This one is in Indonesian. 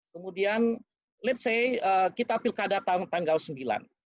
kemudian let's say kita pirkada tanggal sembilan